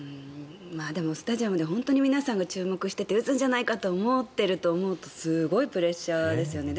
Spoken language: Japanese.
でもスタジアムで本当に皆さんが注目してて打つんじゃないかと思っていると思うとすごいプレッシャーですよね。